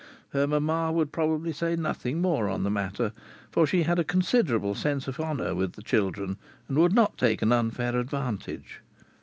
Her mamma would probably say nothing more on the matter, for she had a considerable sense of honour with children, and would not take an unfair advantage.